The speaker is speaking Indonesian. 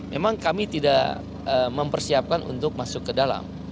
memang kami tidak mempersiapkan untuk masuk ke dalam